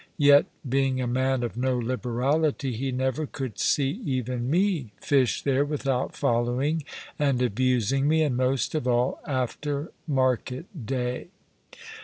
Yet being a man of no liberality, he never could see even me fish there without following and abusing me, and most of all after a market day.